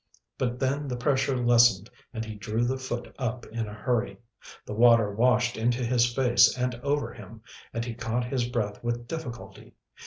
But then the pressure lessened and he drew the foot up in a hurry. The water washed into his face and over him, and he caught his breath with difficulty.